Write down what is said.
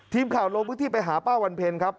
ทีมข่าวโลกพิธีไปหาป้าวันเพลินครับ